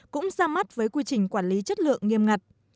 cũng ra mắt với quy trình quản lý chất lượng nghiêm ngặt